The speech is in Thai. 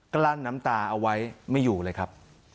กลั้นน้ำตาเอาไว้ไม่อยู่เลยครับ